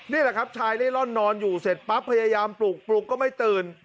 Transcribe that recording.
นี่แหละครับชายเล่ร่อนนอนอยู่เสร็จปั๊บพยายามปลุกปลุกก็ไม่ตื่น